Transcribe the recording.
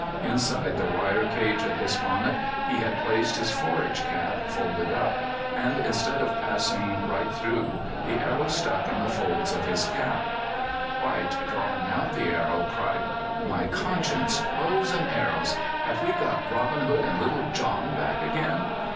Inside the wire cage of his bonnet he had placed his forage cap, folded up, and instead of passing right through, the arrow stuck in the folds of his cap. White, drawing out the arrow, cried: "My conscience! Bows and arrows! Have we got Robin Hood and Little John back again?